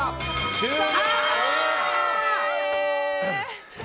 終了！